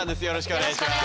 お願いします。